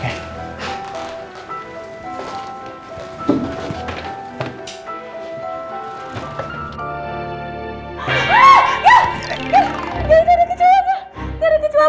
gak ada kecohnya gila